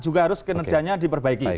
juga harus kinerjanya diperbaiki